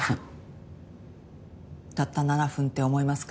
たった７分って思いますか？